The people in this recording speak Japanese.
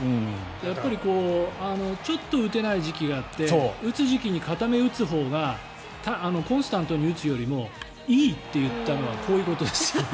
やっぱりちょっと打てない時期があって固め打つほうがコンスタントに打つよりもいいって言ったのはこういうことです。